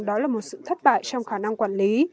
đó là một sự thất bại trong khả năng quản lý